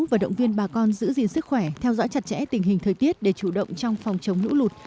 và động viên bà con giữ gìn sức khỏe theo dõi chặt chẽ tình hình thời tiết để chủ động trong phòng chống lũ lụt